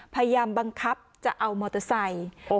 พยายามบังคับจะเอามอเตอร์ไซค์